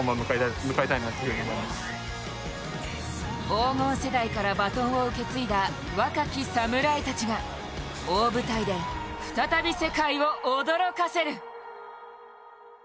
黄金世代からバトンを受け継いだ若き侍たちが、大舞台で再び世界を驚かせる。